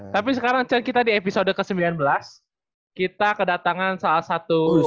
tapi sekarang kita di episode ke sembilan belas kita kedatangan salah satu